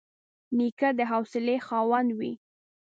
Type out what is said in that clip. نیکه د حوصلې خاوند وي.